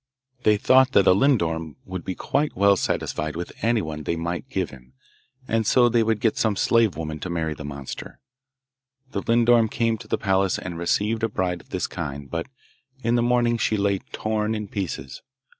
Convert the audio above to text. They thought that a lindorm would be quite well satisfied with anyone that they might give him, and so they would get some slave woman to marry the monster. The lindorm came to the palace and received a bride of this kind, but in the morning she lay torn in pieces.